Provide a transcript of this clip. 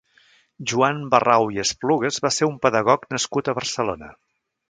Joan Barrau i Esplugues va ser un pedagog nascut a Barcelona.